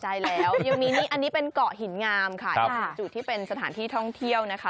ใช่แล้วยังมีนี่อันนี้เป็นเกาะหินงามค่ะอีกหนึ่งจุดที่เป็นสถานที่ท่องเที่ยวนะคะ